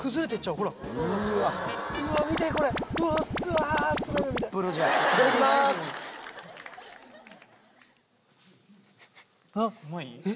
うまい？